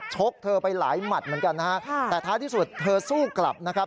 กเธอไปหลายหมัดเหมือนกันนะฮะแต่ท้ายที่สุดเธอสู้กลับนะครับ